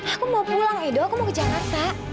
aku mau pulang edo aku mau ke jakarta